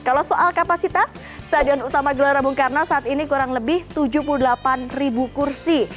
kalau soal kapasitas stadion utama gelora bung karno saat ini kurang lebih tujuh puluh delapan kursi